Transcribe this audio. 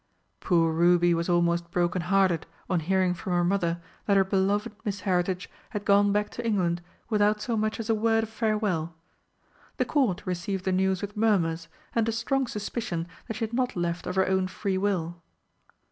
Poor Ruby was almost broken hearted on hearing from her mother that her beloved Miss Heritage had gone back to England without so much as a word of farewell. The Court received the news with murmurs, and a strong suspicion that she had not left of her own free will.